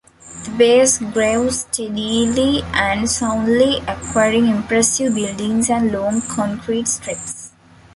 The base grew steadily and soundly, acquiring impressive buildings and long concrete strips.